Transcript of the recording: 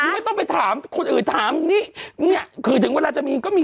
วันนั้นจะไปเจอมา